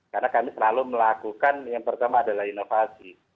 karena kami selalu melakukan yang pertama adalah inovasi